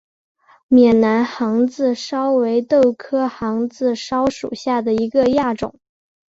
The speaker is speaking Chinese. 缅南杭子梢为豆科杭子梢属下的一个亚种。